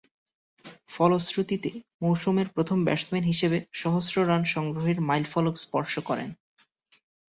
ফলশ্রুতিতে, মৌসুমের প্রথম ব্যাটসম্যান হিসেবে সহস্র রান সংগ্রহের মাইলফলক স্পর্শ করেন।